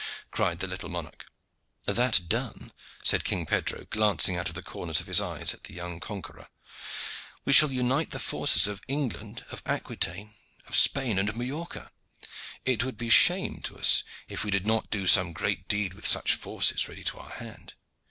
cried the little monarch. "That done," said King Pedro, glancing out of the corners of his eyes at the young conqueror, "we shall unite the forces of England, of Aquitaine, of Spain and of Majorca. It would be shame to us if we did not do some great deed with such forces ready to our hand."